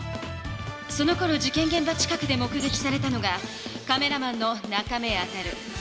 そのころ事けんげん場近くで目げきされたのがカメラマンの中目中。